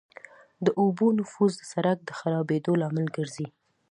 د اوبو نفوذ د سرک د خرابېدو لامل کیږي